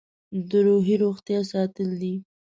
د روحي روغتیا ساتل دي.